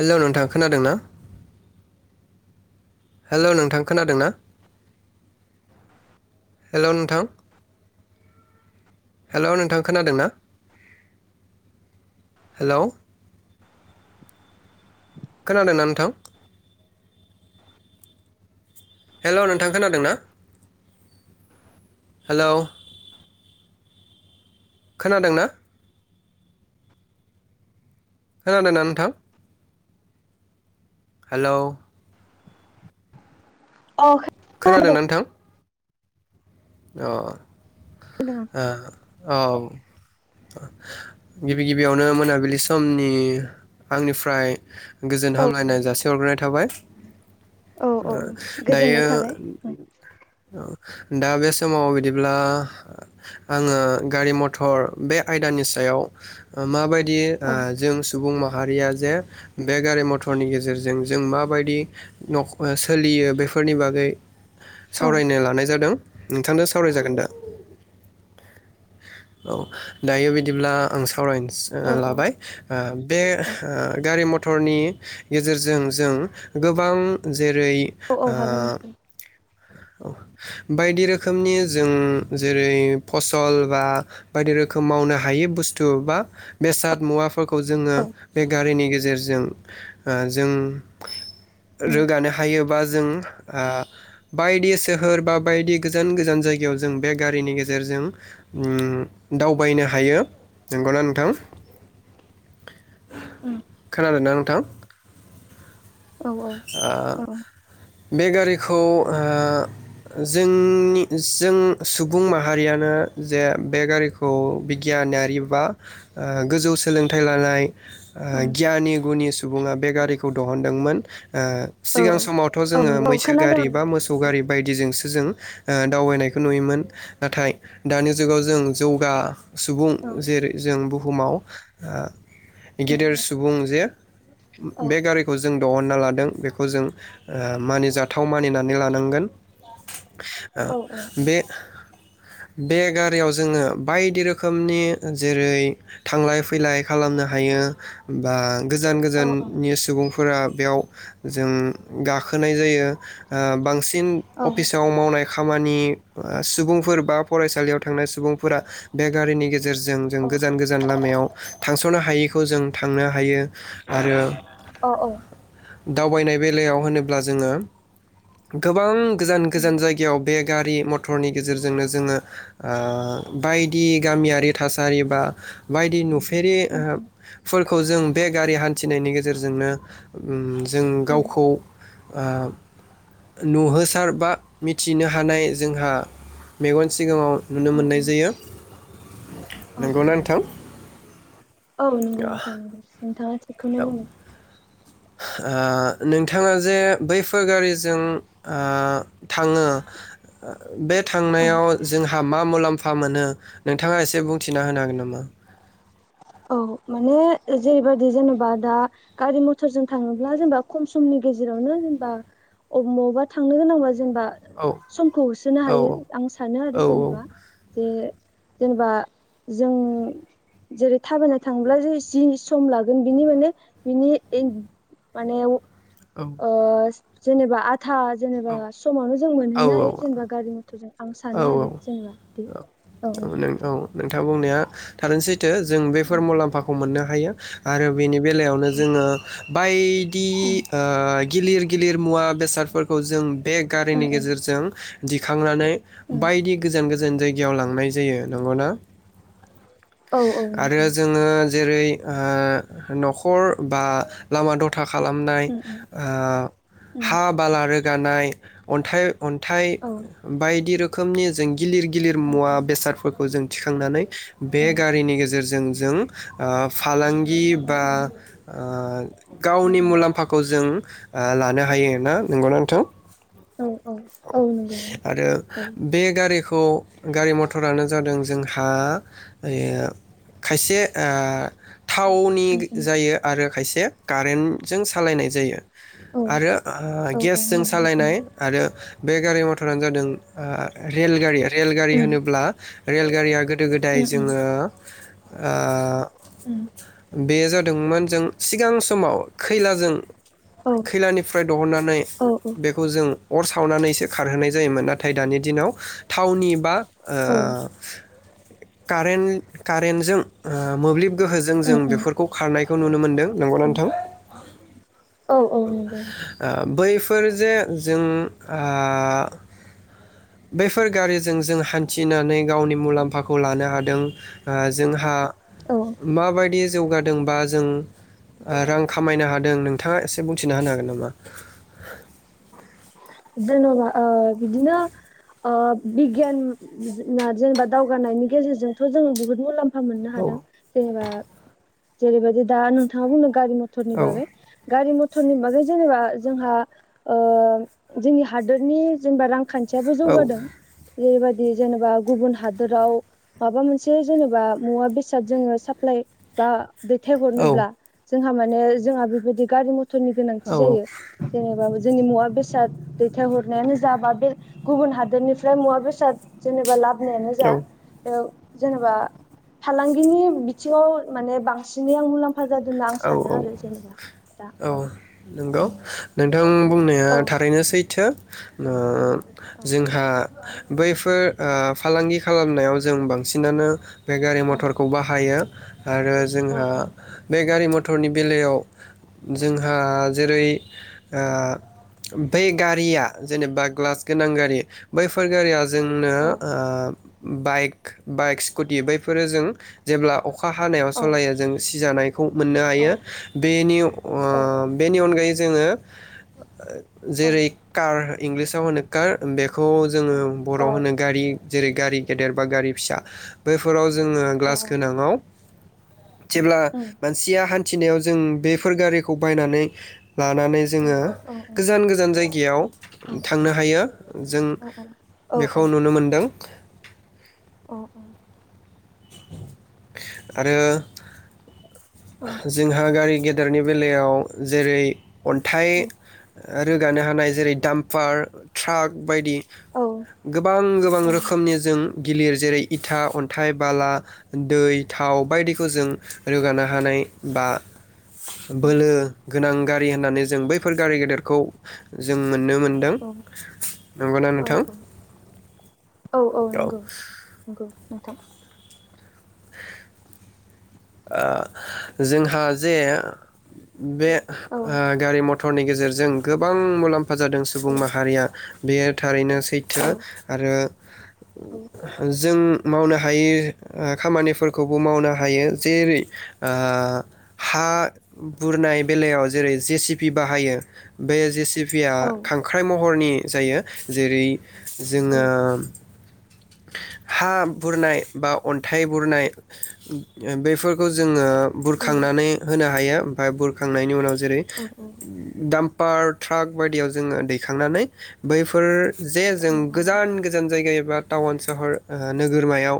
Hello नोंथां खोनादों ना हेलौ नोंथां खोनादोंना हेलौ नोंथां हेलौ नोंथां खोनादोंना हेलौ खोनादोंना नोंथां हेलौ नोंथां खोनादों ना हेलौ खोनादोंना खोनादों ना नोंथां हेलौ अ खोनादों खोनादोंना नोंथां अ खोनादों आ औ गिबि गिबियावनो मोनाबिलि समनि आंनिफ्राय औ गोजोनहामलायनाय जासि हरग्रोनाय थाबाय औ ओ औ गोजोननाय दायो थाबाय दा बेस समाव बिदिब्ला आङो गारि मथर बे आयदानि सायाव माबायदि दि औ ओ जों सुबुं मा माहारिया जे बे गारि मथरनि गेजेरजों जों माबायदि नख सोलियो बेफोरनि बागै औ सावरायनो लानाय जादों नोंथांजों सावरायजागोन दा औ दायो बिदिब्ला आं सावरायनो सो औ लाबाय ओ बे औ ओ गारि मथ हरनि गेजेरजों जों गोबां जेरै औ औ हागोन नोंथां ओ बायदि रोखोमनि जों जेरै फसल बा बायदि रोखोम मावनो हाइ बुसथु बा बेसाद मुवाफो फोरखौ जोङो औ बे गारिनि गेजे गेजेरजों ओ जों उम रोगानो हायोबा जों ओ बायदि सोहोर बा बायदि गोजान गोजान जायगायाव जों बे गारिनि गेजेरजों ओम दावबायनो हायो नंगौना नोंथां उम खोनादों ना नोंथां औ ओ औ बे गारिखौ ओ जोंनि जों सुबुं माहारियानो जे बे गारिखौ बिगियानारि बा गोजौ सोलोंथाइ लानाय औ गियानि गुनिसु सुबुङा बे गारिखौ दिहुनदोंमोन ओ सिगां औ समावथ औ जोङो नंगौ औ मैसो खोनादों गारि बा नोंथां मोसौ गारि बायदिजोंसो जों दावबायनायखौ नुयोमोन नाथाय दानि जुगाव जों जौगा सुबुं औ जेरै जों बुहुमाव ओ गेदेर उम सुबुं जे औ बे गारिखौ जों दिहनना लादों बेखौ जों मानिजाथाव मानिनानै लानांगोन ओ औ औ औ बे बे गारियाव जोङो बायदि रोखोमनि जेरै थांलाय फैलाय खालामनो हायो बा गोजान औ गोजाननि सुबुंफोरा बेयाव उम गाखोनाय जायो बांसिन फिन औ अफिसाव मावनाय खामानि सुबुंफोर बा फरायसालियाव थांनाय सुबुंफोरा बे गारिनि गेजेराव गेजेरजों जों गोजान औ गोजान लामायाव थांसनो हायै खौ जों थांनो हायो आरो औ दावबायनाय बेलायाव होनोब्ला जोङो गोबां गोजान उम गोजान जायगायाव बे गारि मटरनि गेजेरजोंनो जोङो ओ बायदि गामियारि थासारि बा बायदि नुफेर फेरि उम ओ [unintelligible] खौ जों बे गारि हान्थिनायनि गेजेरजोंनो उम जों औ गावखौ ओ नुहोसार बा मिथिनो हानाय जोंहा मेगन सिगाङाव नुनो मोननाय जायो औ औ नंगौना नोंथां नंगौ नोंथांं औ नोंथाङा बेखौनो बुङो ओ नोंथाङा जे बैफोर गारिजों ओ थाङो बे औ थांनायाव जों मा मुलाम्फा मोनो नोंथाङा एसे बुंथिना होनो हागोन नामा औ माने जेरैबायदि जेनेबा दा गारि मथर जों थाङोब्ला जेनेबा खम समनि गेजेरावनो जेनेबा बबावबा थांनो गोनांबा जेनेबा औ समखौ होसोनो औ हायो आं सानो औ आरो जेनेबा जे जेनेबा जों जेरै थाबायनो थांब्ला जे जि सम लागोन बिनि माने बिनि माने औ जेनेबा आ था जेनेबा समावनो जों औ मोनहैनो हायो जेनेबा गारि मथरजों आं औ सानो आरो जेनेबा बि औ नाया थारैनो सै थो जों बेफोर मुलाम्फाखौ मोननो हा हायो आरो बेनि बेलायावनो जोङो बायदि ओ गिलिर गिलिर मुवा बेसादफोरखौ जों बे औ गारिनि गेजेरजों दिखांनानै बायदि गोजान गोज गोजान जायगायाव लांनाय जायो नंगौना। औ औ आरो नंगौ जोङो जेरै ओ न'खर बा लामा द था खालामनाय उम उम ओ उम हा बाला रोगानाय। अन्थाइ। अन्थाइ औ बाय दि रोखोमनि जें गिलिर गिलिर औ मुवा औ बेसादफोरखौ जों। थिखांनानै। बे गारिनि गेजेरजों जो जों। ओ फालांगि बा ओ गावनि मुलाम्फाखौ जों। ओ लानो हायो ना नंगौना नोंथां। औ औ औ नंगौ। आरो हायो बे गारि। खौ गारि मथरानो जादों जोंहा ओ खायसे ओ थावनि उम गो उम जायो आरो खायसे। कारेन्टजों सालायनाय जायो। औ आरो आ औ औ गेसजों मोब्लिबनि सालायनाय आरो बे गारि मथरानो जादों ओ रेलगारि रेलगारि उम होनोब्ला रेलगारिया गोदो गोदाय उम उम जोङो आ। उम बे जा दोंमोन जों सिगां समाव खैलाजों। औ खैलानिफ्राय दहुननानै औ औ बेखौ जों। अर सावनानैसो खारहोनाय जायोमोन ना थाय दानि दिनाव थावनि बा। औ उम ओ। कारेन्ट-कारेन्टजों ओ मोब्लिब। गोहोजों जों उम बेफोरखौ खारनायखौ नुनो मोनदों नंगौना उम नोंथां औ औ नंगौ ओ बै फोर जे जों आ बैफोर गारिजों जों हान्थिनानै गावनि मुलाम्फाखौ लानो हादों ओ जोंहा औ माबायदि जौगादों बा जों। रां खामायनो हादों नोंथाङा एसे बुंथिना होनो हागोन नामा। जेन'बा ओ बिदिनो ओ बिगियान [unintelligible] जेनेबा दावगानायनि गेजेरजोंथ' जों बुहुत मुलाम्फा। फा मोननो औ हादों जेनेबा। जेरैबायदि दा नोंथाङा बुंदों। गारि मथरनि औ बागै गारि म थरनि बागै जेनेबा जोंहा ओ जोंनि हादोरनि जेनेबा रां। खान्थियाबो औ जौगादों। जेरैबायदि जेनेबा गुबुन हादोराव माबा मोनसे जेनेबा मुवा बेसाद जोङो साप्लाय बा। औ दैथायहरनोब्ला। जोंहा माने जोंहा बेबायदि गारि म थनि गोनांथि जायो जेनेबा। जोंनि मुवा बेसाद। दैथायहरनायानो जा बा बे गुबुन हादोरनिफ्राय मुवा बेसाद जेनेबा लाब। बोनायानो औ जा। जेनेबा फालांगिनि बिथिङाव माने बांसिनै आं मुलाम्फा। फा जादों होनना आं औ सानो औ आरो जेनेबा दा औ। नंगौ नोंथां बुंनाया औ थारैनो सैथो ओ औ जोंहा बैफोर फालांगि खालामनायाव जों बांसिनानो बे गारि औ मथरखौ बाहायो आरो औ जोंहा गारि मथरनि बेलायाव जोंहा जेरै आ बै गारिया जेनेबा ग्लास गोनां गारि बैफोर गारिया जोंनो औ ओ बाइक बाइक स्कुटि बैफोरो जों जेब्ला अखा हानायाव औ सलायो जों सि जानाय मोननो औ हायो बेनि औ बेनि अनगायै जोङो जेरै औ कार इंलिसाव होनो कार बेखौ जोङो बर' औ होनो गारि जेरै गारि गेदेर बा गारि फिसा बैफोराव जोङो ग्लास गोनांङाव जेब्ला थिया हान्थिनायाव जों बेफोर गारिखौ बायनानै लानानै जोङो उम गोजान गोजान जायगायाव थांनो हायो जों औ बेखौ नुनो मोनदों अ औ आरो जोंहा गारि गे देरनि बेलायाव जेरै अन्थाइ आरो गानो हानाय जेरै दाम्पार ट्राक बायदि गोबां गोबां रोखोमनि जों गिलिर जेरै इथा अन्थाइ बाला दै थाव बायदिखौ जों रोगानो हायो थानाय बा बोलो गोनां गारि होननानै जों बैफोर गारि गेदेरखौ जों मोननो मोनदों नंगौना औ नोंथां औ औ नंगौ नंगौ। नोंथां। जोंहा जे बे औ गारि मथर नि गेजेरजों गोबां मुलाम्फा जादों औ सुबुं माहारिया बेयो थारैनो औ सैथो आरो औ जों मावनो हायि खामानिफोरखौबो मावनो हायो। जेरै हा बुरनाय बेलायाव जेरै जे सि बि बाहायो बे जे सि बि या औ खांख्राइ महरनि जायो जेरै जोङो हा बुरनाय बा अन्थाइ बुरनाय बेफोरखौ जोङो। बुरखांनानै होनो हायो। ओमफ्राय बुरखांनायनि उनाव जेरै दाम पार ट्राक बायदियाव जोङो दैखांनानै बैफोर जे जों औ गोजान गोजान जायगा एबा टाउन सहर नोगोरमायाव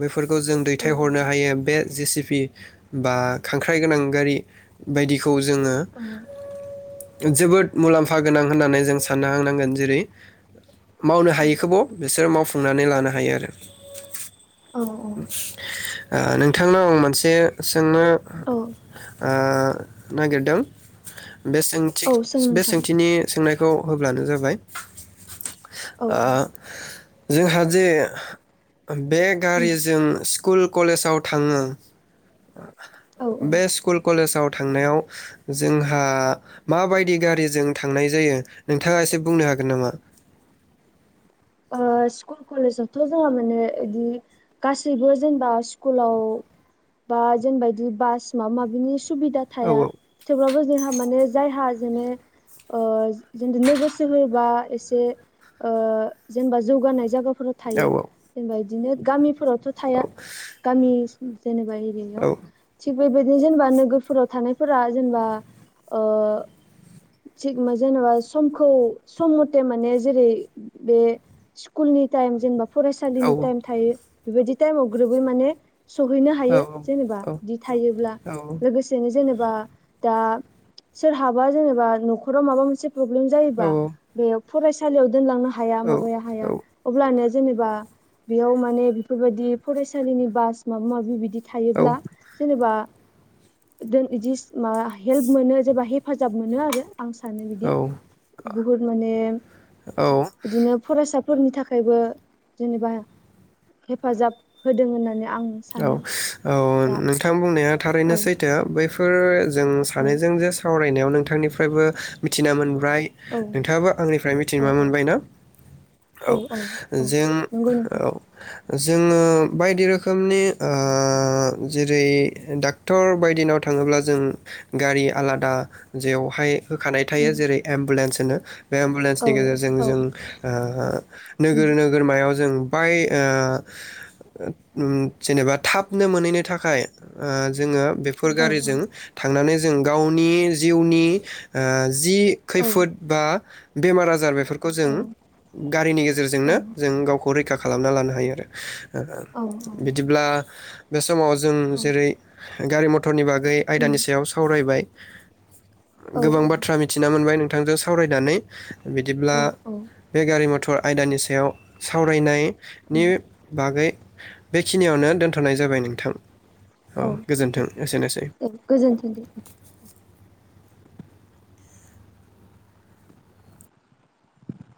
बे फोरखौ जों दैथायहरनो हायो। जेसिबि बा खांख्राय गोनां गारि बायदि। खौ जोङो। जोबोद मुलाम्फा गोनां होननानै जों साननो हांनांगोन जेरै मावनो हायिखौबाव बिसोरो माव फुंनानै लानो हायो आरो। [inaudible] आ नों नोंथांनाव आं मोनसे सोंनो औ ओ नागिरदों। बे सोंथि औ सों बे नोंथां सोंथिनि सोंनायखौ होब्लानो जाबाय। औ औ ओ जोंहा जे बे उम गारिजों कुल कलेसाव थाङो औ औ बे स्कुल कलेसाव थांनायाव जोंहा माबादि गारिजों थांनाय जायो नोंथाङा एसे बुंनो हागोन नामा? ओ स्कुल कलेजावथ' जोंहा माने इदि गासैबो जेनेबा स्कुलाव बा जेनेबा इदि बास माबा माबिनि सुबिदा औ थाया। थेवब्लाबो जोहा माने जायहा जेने ओ जेन नोगोर सोहोर बा एसे जेनबा जौगानाय जागा फोराव औ थायो। जेनबा बिदिनो गामिफोराव थ' थाया। गामि उम जेनेबा एरियायाव थिग बेबायदिनो जेनेबा नोगोरफोराव थानायफोरा जेनेबा ओ थिगमा जेनेबा समखौ सम मथे माने जेरै बे स्कुलनि टाइम जेनबा औ फरायसालिनि टाइम थायो। बेबायदि टाइमाव ग्रोबै माने सहैनो औ हायो जेनेबा इदि थायोब्ला। औ औ लोगोसेनो जेनेबा बा दा सोरहाबा जेनेबा न'खराव माबा मोनसे प्रब्लेम औ जायोबा बे फरायसालियाव दोनलांनो हा हाया माब हाया अब्ला माने जेनेबा बेयाव माने बेफोरबायदि फरायसालिनि बास माबा माबि बिदि थायोब्ला जेनेबा दोन इदिस मा हेल्प मोनो जेबा हेफाजाब मोनो आरो। आं सानो औ बिदि। बहुद माने औ औ इदिनो फिसाफोरनि थाखायबो जेनेबा हेफाजाब होदों होननानै आं औ सानो औ दा नोंथां बुंनाया थारैनो औ सैथो बै फोर जों औ सानैजों जे सावरायनायाव नों नोंथांनिफ्रायबो मिथिना मोनबो ओमफ्राय औ नोंथाङाबो आंनिफ्राय मिथिना मोनबायना औ जों औ। जोङो बायदि रोखोम रोखोमनि ओ जेरै डाक्टर बायदिनाव थाङोब्ला जों गारि आलादा जेवहाय होखानाय थायो उम जेरै एम्बुलेन्स होनो बे एम्बुलेन्सनि औ गेजेरजों औ जों ओ उम नोगोर नोगोरमायाव जों बाय ओ ओम जेनेबा थाबनो मोनहैनो थाखाय ओ जोङो बेफोर औ गारिजों थांनानै जों गावनि जिउनि ओ। जि औ खैफोद बा बेमार आजार बेफोर फोरखौ जों औ गारिनि गेजेरजोंनो औ उम जों गावखौै रैखा खा खालामना लानो हायो आरो। ओ। औ बिदिब्ला। बे समाव जों जेरै गारि मटर मटरनि बागै आयदानि सायाव सावरायबाय [unintelligible] गोबां बाथ्रा मिथिना मोनबाय नों बिथांजों सावरायनानै बिदिब्ला औ औ बे गारि मथर आयदानि सायाव सावरायनाय नि बागै [unintelligible] बेखिनियावनो दोनथ'नाय जाबाय नोंथां । औ गोजोनथों दे ।